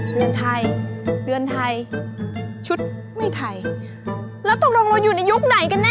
เรือนไทยเรือนไทยชุดไม่ไทยแล้วตกลงเราอยู่ในยุคไหนกันแน